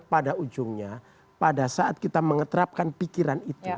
pada ujungnya pada saat kita mengeterapkan pikiran itu